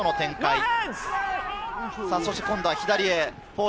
今度は左へ。